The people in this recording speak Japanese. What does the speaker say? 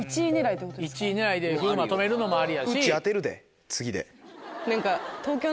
１位狙いで風磨止めるのもありやし。